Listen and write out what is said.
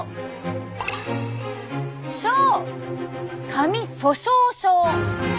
髪粗しょう症。